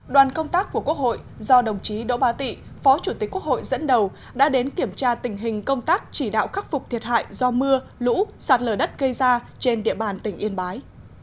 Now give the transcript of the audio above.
đoàn công tác của quốc hội do đồng chí đỗ ba tị phó chủ tịch quốc hội dẫn đầu đã đến kiểm tra tình hình công tác chỉ đạo khắc phục thiệt hại do mưa lũ sạt lở đất gây ra trên địa bàn tỉnh yên bái